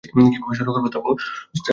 কিভাবে শুরু করব বুঝতে পারছি না।